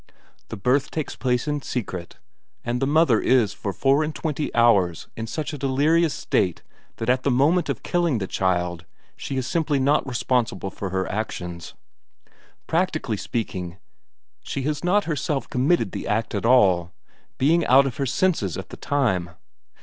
The birth takes place in secret, and the mother is for four and twenty hours in such a delirious state that at the moment of killing the child she is simply not responsible for her actions. Practically speaking, she has not herself committed the act at all, being out of her senses at the time.